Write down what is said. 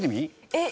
えっ